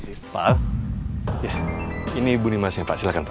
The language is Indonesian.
ya ini ibu nimasnya pak silakan pak